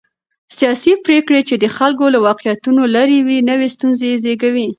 سیاسي پرېکړې چې د خلکو له واقعيتونو لرې وي، نوې ستونزې زېږوي.